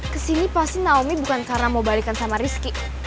kesini pasti naomi bukan karena mau balikan sama rizky